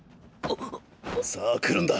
さあ来るんだ！！